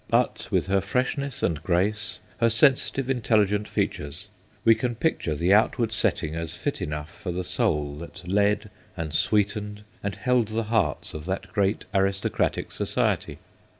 But with her freshness and grace, her sensitive, intelligent features, we can picture the outward setting as fit enough for the soul that led and sweetened and held the hearts of that great aristocratic society.